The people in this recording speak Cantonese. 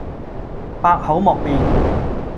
百口莫辯